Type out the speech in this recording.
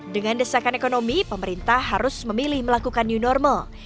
dengan desakan ekonomi pemerintah harus memilih melakukan new normal